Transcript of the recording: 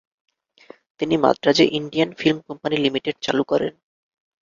তিনি মাদ্রাজে "Indian film company limited" চালু করেন।